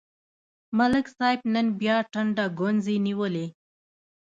ملک صاحب نن بیا ټنډه ګونځې نیولې.